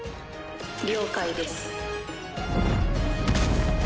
了解です。